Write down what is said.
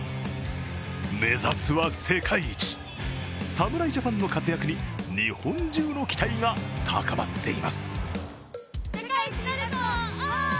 目指すは世界一、侍ジャパンの活躍に日本中の期待が高まっています。